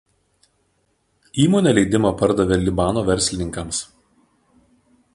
Įmonė leidimą pardavė Libano verslininkams.